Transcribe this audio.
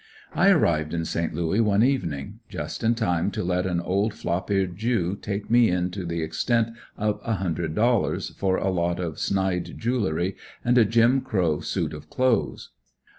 I arrived in Saint Louis one evening just in time to let an old flop eared Jew take me in to the extent of a hundred dollars for a lot of snide jewelry and a Jim Crow suit of clothes.